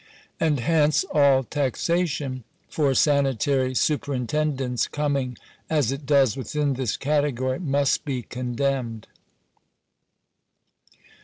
And hence all taxation for sanitary superintendence coming, as it does, within this category, must he condemned.